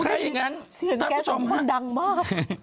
เย่ใครอย่างนั้นท่านผู้ชมฮะเสียงแก๊สของคุณดังมาก